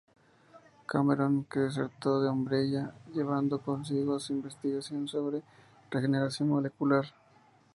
Cameron, que desertó de Umbrella llevando consigo su investigación sobre regeneración molecular.